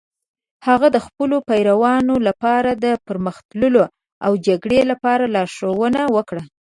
هغه د خپلو پیروانو لپاره د پرمخ تللو او جګړې لپاره لارښوونه وکړه.